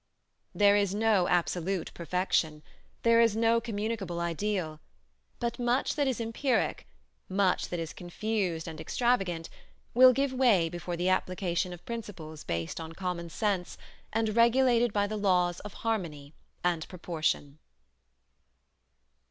There is no absolute perfection, there is no communicable ideal; but much that is empiric, much that is confused and extravagant, will give way before the application of principles based on common sense and regulated by the laws of harmony and proportion.